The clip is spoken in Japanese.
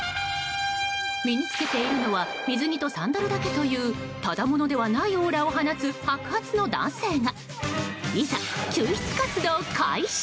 身に着けているのは水着とサンダルだけというただ者ではないオーラを放つ白髪の男性が。